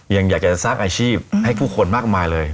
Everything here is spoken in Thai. อยากจะสร้างอาชีพให้ผู้คนมากมายเลย